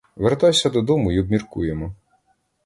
Вертайся додому, й обміркуємо.